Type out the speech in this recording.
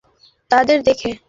সেই প্রথম তাদের দেখে।